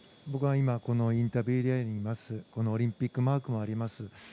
僕は今このインタビューエリアにいますオリンピックマークがあります。